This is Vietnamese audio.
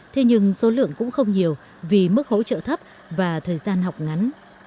thế nhưng số lượng cũng không nhiều vì mức hỗ trợ thấp và thời gian học ngắn